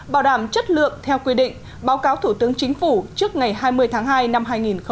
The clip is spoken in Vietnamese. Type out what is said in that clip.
bảo đảm chất lượng theo quy định báo cáo thủ tướng chính phủ trước ngày hai mươi tháng hai năm hai nghìn hai mươi